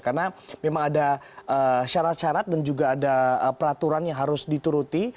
karena memang ada syarat syarat dan juga ada peraturan yang harus dituruti